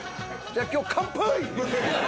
じゃあ今日乾杯！